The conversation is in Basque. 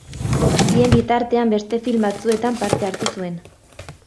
Bien bitartean beste film batzuetan parte hartu zuen.